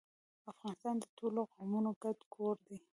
افغانستان د ټولو قومونو ګډ کور دی.